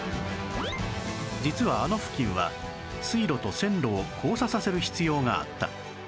実はあの付近は水路と線路を交差させる必要があった